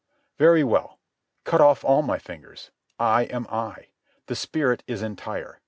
Very well. Cut off all my fingers. I am I. The spirit is entire.